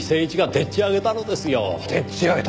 でっち上げた！？